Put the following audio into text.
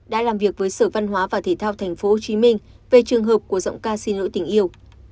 đã làm việc với sở văn hóa và thể thao tp hcm về trường hợp của giọng ca xin lỗi tình yêu